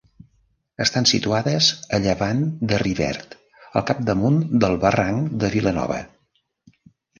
Estan situades a llevant de Rivert, al capdamunt del barranc de Vilanova.